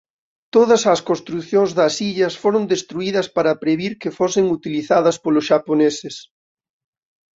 Todas as construcións das illas foron destruídas para previr que fosen utilizadas polos xaponeses.